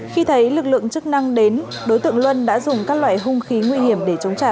khi thấy lực lượng chức năng đến đối tượng luân đã dùng các loại hung khí nguy hiểm để chống trả